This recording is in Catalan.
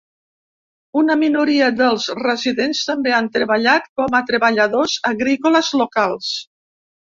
Una minoria dels residents també han treballat com a treballadors agrícoles locals.